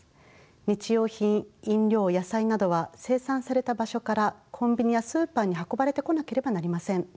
日用品飲料野菜などは生産された場所からコンビニやスーパーに運ばれてこなければなりません。